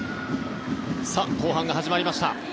後半が始まりました。